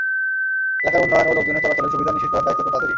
এলাকার উন্নয়ন ও লোকজনের চলাচলের সুবিধা নিশ্চিত করার দায়িত্ব তো তাঁদেরই।